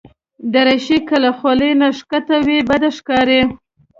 دریشي که له خولې نه راښکته وي، بد ښکاري.